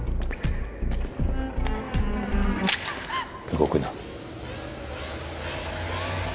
動くな。